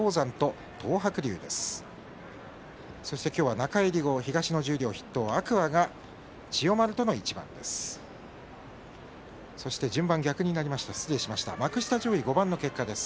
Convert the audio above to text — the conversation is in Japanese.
中入り後東十両筆頭、天空海が千代丸との一番が組まれています。